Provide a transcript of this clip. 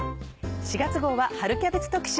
４月号は春キャベツ特集。